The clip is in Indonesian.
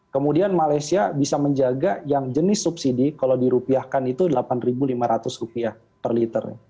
kemudian malaysia bisa menjaga yang jenis subsidi kalau dirupiahkan itu rp delapan lima ratus per liter